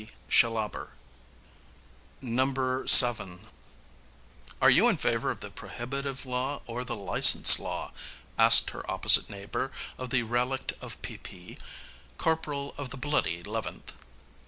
SHILLABER VII "Are you in favor of the prohibitive law, or the license law?" asked her opposite neighbor of the relict of P.P.; corporal of the "Bloody 'Leventh."